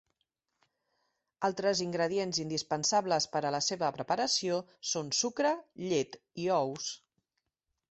Altres ingredients indispensables per a la seva preparació són sucre, llet i ous.